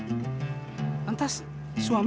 ibu dari mana